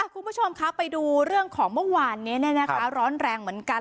คุณผู้ชมคะไปดูเรื่องของเมื่อวานนี้ร้อนแรงเหมือนกัน